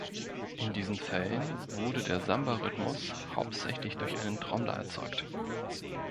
In diesen Fällen wurde der Samba-Rhythmus hauptsächlich durch einen Trommler erzeugt.